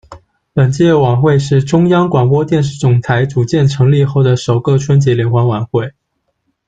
本届晚会是中央广播电视总台组建成立后的首个春节联欢晚会。